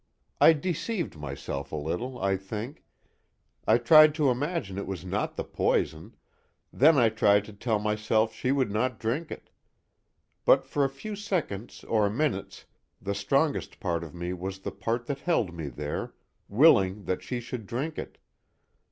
I deceived myself a little, I think I tried to imagine it was not the poison, then I tried to tell myself she would not drink it. But for a few seconds or minutes the strongest part of me was the part that held me there, willing that she should drink it.